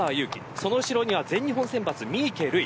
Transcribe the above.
その後ろには全日本大学選抜三池瑠衣。